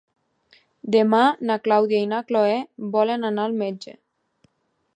Demà na Clàudia i na Cloè volen anar al metge.